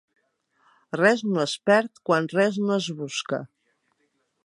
Res no es perd quan res no es busca.